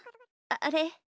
あっあれ？